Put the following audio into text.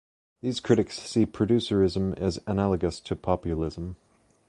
These critics see producerism as analogous to populism.